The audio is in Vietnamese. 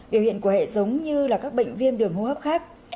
biểu hiện của hệ giống như là các bệnh viêm đường hô hấp khác